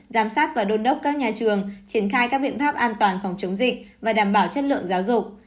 giám sát và đôn đốc các nhà trường triển khai các biện pháp an toàn phòng chống dịch và đảm bảo chất lượng giáo dục